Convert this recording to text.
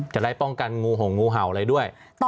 จะได้ป้องกันงูห่งงูเห่าอะไรด้วย